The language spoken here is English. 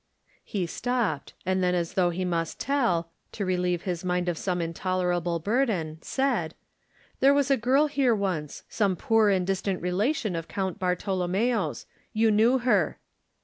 He stopped, and then as though he must tell, to relieve his mind of some intolerable 31 Digitized by Google THE NINTH MAN burden, said, "There was a girl here once — some poor and distant relation of Count Bartolommeo's. You knew her."